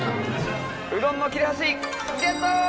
うどんの切れ端ゲット！